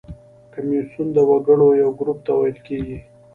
کمیسیون د وګړو یو ګروپ ته ویل کیږي.